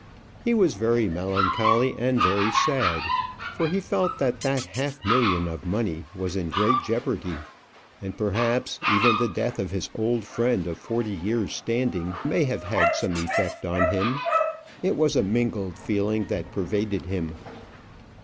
He was very melancholy and very sad, for he felt that that half million of money was in a great jeopardy; and, perhaps, even the death of his old friend of forty years' standing may have had some effect on him. It was a mingled feeling that pervaded him.